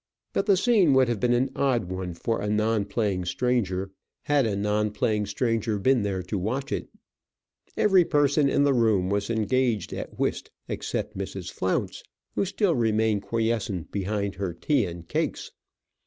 But the scene would have been an odd one for a non playing stranger, had a non playing stranger been there to watch it. Every person in the room was engaged at whist except Mrs. Flounce, who still remained quiescent behind her tea and cakes.